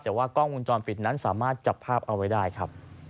แต่ว่ากล้องวงจรปิดนั้นสามารถจับภาพเอาไว้ได้ครับ